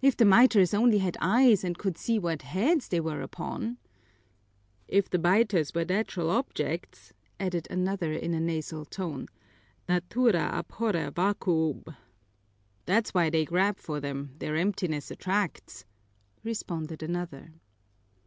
"If the miters only had eyes and could see what heads they were upon " "If the miters were natural objects," added another in a nasal tone, "Natura abhorrer vacuum." "That's why they grab for them, their emptiness attracts!" responded another.